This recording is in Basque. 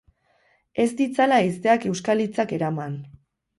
Ez ditzala haizeak euskal hitzak eraman.